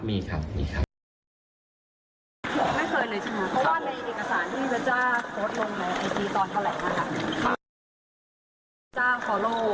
ไม่มีอะไรเลยครับ